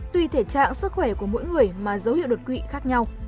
tuy thể trạng sức khỏe của mỗi người mà dấu hiệu đột quỵ khác nhau